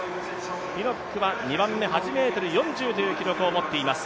ピノックは２番目、８ｍ４０という記録を持っています。